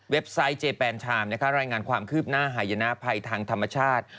ไซต์เจแปนชามรายงานความคืบหน้าหายนะภัยทางธรรมชาติ